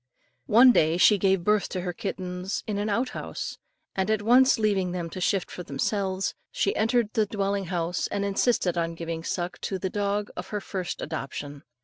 One day she gave birth to her kittens in an out house, and at once leaving them to shift for themselves, she entered the dwelling house and insisted on giving suck to the dog of her first adoption.